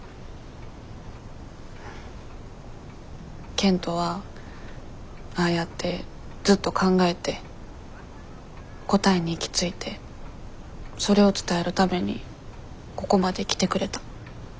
賢人はああやってずっと考えて答えに行き着いてそれを伝えるためにここまで来てくれた。